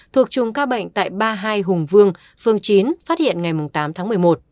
thuộc chùm ca bệnh tại ba mươi hai hùng vương phương chín phát hiện ngày tám tháng một mươi một